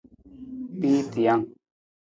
Piitijang.